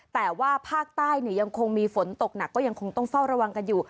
แต่ว่าภาคใต้ยังคงมีฝนตกหนักก็ยังคงต้องเฝ้าระวังกันอยู่